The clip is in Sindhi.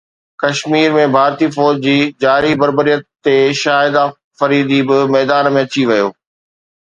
ڪشمير ۾ ڀارتي فوج جي جاري بربريت تي شاهده فريدي به ميدان ۾ اچي وئي